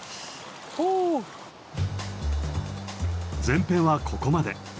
前編はここまで。